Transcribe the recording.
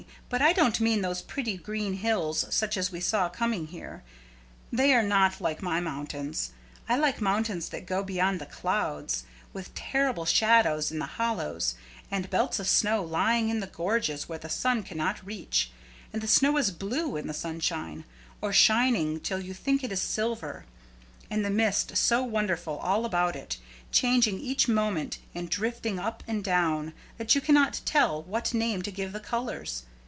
But I don't mean those pretty green hills such as we saw coming here. They are not like my mountains. I like mountains that go beyond the clouds, with terrible shadows in the hollows, and belts of snow lying in the gorges where the sun cannot reach, and the snow is blue in the sunshine, or shining till you think it is silver, and the mist so wonderful all about it, changing each moment and drifting up and down, that you cannot tell what name to give the colors.